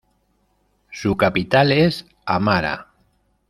Su capital es Amara.